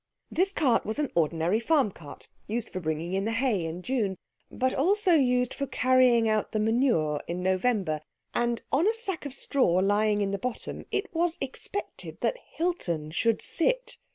This cart was an ordinary farm cart, used for bringing in the hay in June, but also used for carrying out the manure in November; and on a sack of straw lying in the bottom it was expected that Hilton should sit.